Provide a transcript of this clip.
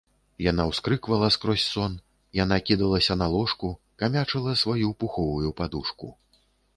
Яна ўскрыквала скрозь сон, яна кідалася на ложку, камячыла сваю пуховую падушку.